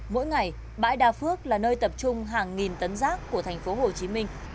mỗi ngày bãi đa phước là nơi tập trung hàng nghìn tấn rác của thành phố hồ chí minh